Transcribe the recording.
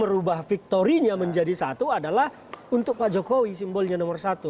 merubah victorinya menjadi satu adalah untuk pak jokowi simbolnya nomor satu